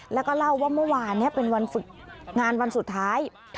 แล้วก็เล่าว่าเมื่อวานนี้เป็นวันฝึกงานวันสุดท้าย